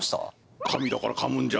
神だから噛むんじゃ。